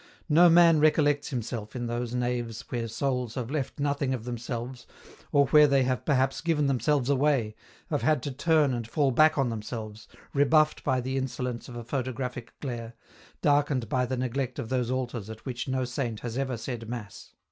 No man recollects himself in those naves where souls have left nothing of themselves, or where they have perhaps given themselves away, have had to turn and fall back on themselves, rebuffed by the insolence of a photographic glare, darkened by the neglect of those altars at which no saint has ever said mass.